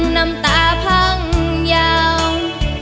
น้ำตาพังยาว